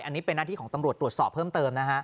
อันนี้เป็นหน้าที่ของตำรวจตรวจสอบเพิ่มเติมนะฮะ